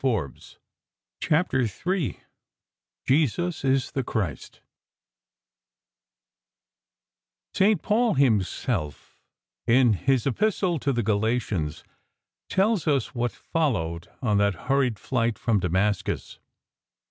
■■ CHAPTER III " JESUS IS THE CHRIST " St. Paul himself, in his Epistle to the Gala tians, tells ns what followed on that hurried flight from Damascus.